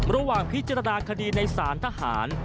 ระหว่างพิจารณาคดีในศาลทหาร